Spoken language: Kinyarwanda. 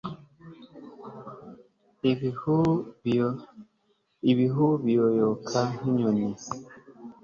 ibihu biyoyoka nk'inyoni